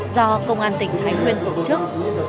do công an tỉnh thái nguyên tổng chức